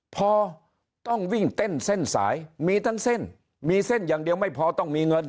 พอต้องวิ่งเต้นเส้นสายมีทั้งเส้นมีเส้นอย่างเดียวไม่พอต้องมีเงิน